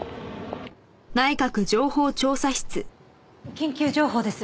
緊急情報です。